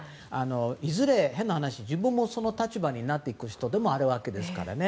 いずれ、変な話自分もその立場になっていく人でもあるわけですからね。